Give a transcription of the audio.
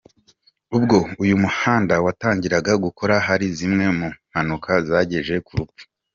Ubwo uyu muhanda watangiraga gukora hari zimwe mu mpanuka zagejeje ku rupfu.